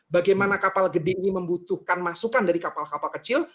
bagaimana kapal gede ini membutuhkan masukan dari kapal kapal kecil